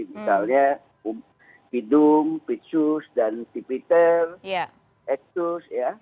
misalnya pidum pitsus dan sipiter ektus